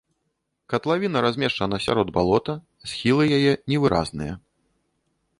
Катлавіна размешчана сярод балота, схілы яе невыразныя.